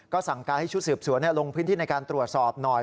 สั่งการให้ชุดสืบสวนลงพื้นที่ในการตรวจสอบหน่อย